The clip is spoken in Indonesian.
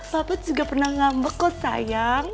patut juga pernah ngambek kok sayang